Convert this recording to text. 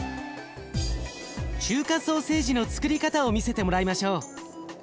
中華ソーセージのつくり方を見せてもらいましょう。